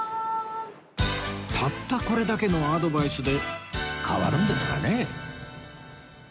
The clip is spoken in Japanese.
たったこれだけのアドバイスで変わるんですかね？